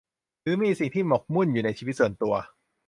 หรือมีสิ่งที่หมกมุ่นอยู่ในชีวิตส่วนตัว